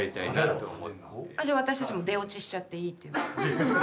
じゃ私たちも出オチしちゃっていいっていう？